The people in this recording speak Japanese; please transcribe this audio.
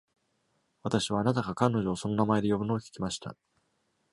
私はあなたが彼女をその名前で呼ぶのを聞きました。